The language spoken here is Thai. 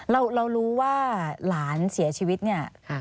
เรารู้ว่าหลานเสียชีวิตเนี่ย